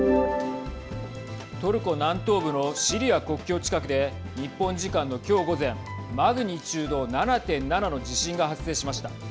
トルコ南東部のシリア国境近くで日本時間の今日午前マグニチュード７．７の地震が発生しました。